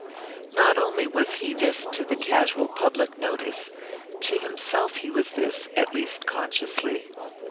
Not only was he this to the casual public notice; to himself he was this, at least consciously.